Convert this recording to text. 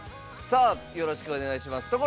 さあよろしくお願いします。